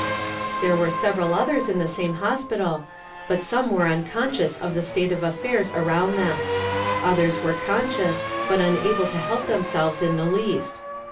There were several others in the same hospital, but some were unconscious of the state of affairs around them; others were conscious, but unable to help themselves in the least.